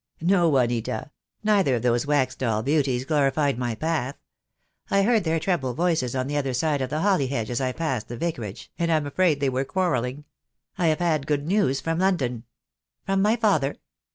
"No, Juanita; neither of those wax doll beauties glori fied my path. I heard their treble voices on the other side of the holly hedge as I passed the Vicarage, and I'm afraid they were quarrelling. I have had good news from London." "From my father?"